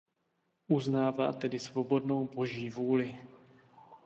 Uznává tedy svobodnou Boží vůli.